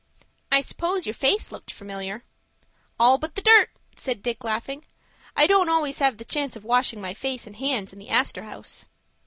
"I suppose your face looked familiar." "All but the dirt," said Dick, laughing. "I don't always have the chance of washing my face and hands in the Astor House."